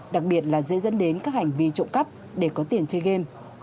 đặc biệt là dễ dẫn đến các hành vi trộm cắp để có tiền chơi game